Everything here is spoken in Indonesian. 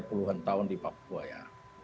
puluhan tahun di papua ya